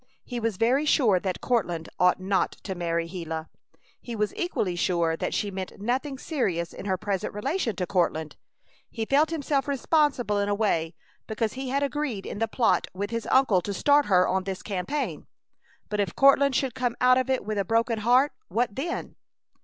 He was very sure that Courtland ought not to marry Gila. He was equally sure that she meant nothing serious in her present relation to Courtland. He felt himself responsible in a way because he had agreed in the plot with his uncle to start her on this campaign. But if Courtland should come out of it with a broken heart, what then?